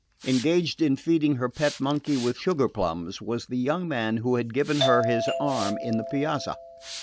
Engaged in feeding her pet monkey with sugar plums was the young man who had given her his arm in the Piazza.